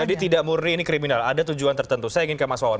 jadi tidak murri ini kriminal ada tujuan tertentu saya ingin ke mas wawan